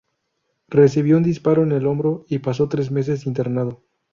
Recibió un disparo en el hombro y pasó tres meses internado.